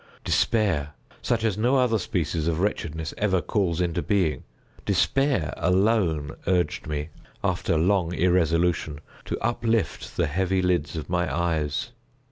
Despair—such as no other species of wretchedness ever calls into being—despair alone urged me, after long irresolution, to uplift the heavy lids of my eyes.